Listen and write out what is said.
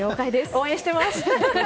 応援してます。